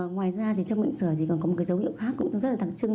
ngoài ra trong bệnh sởi còn có một dấu hiệu khác cũng rất là đặc trưng